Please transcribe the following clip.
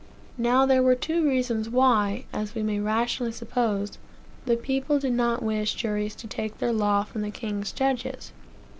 Now there were two reasons why, as we may rationally suppose, the people did not wish juries to take their law from the king's judges.